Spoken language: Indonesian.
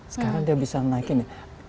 sekarang dia bisa naik ini